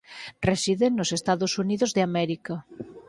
Reside nos Estados Unidos de América.